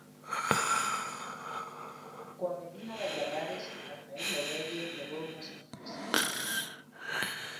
Co Avelina Valladares Rafael Lobelle levou unha sorpresa.